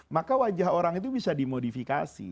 maka wajah orang itu bisa dimodifikasi